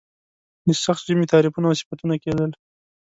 د سخت ژمي تعریفونه او صفتونه کېدل.